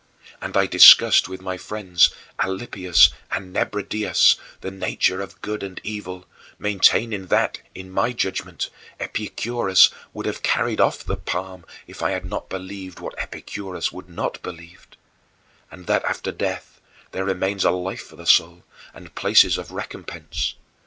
And I discussed with my friends, Alypius and Nebridius, the nature of good and evil, maintaining that, in my judgment, Epicurus would have carried off the palm if I had not believed what Epicurus would not believe: that after death there remains a life for the soul, and places of recompense.